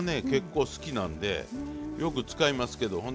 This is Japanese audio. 結構好きなんでよく使いますけど。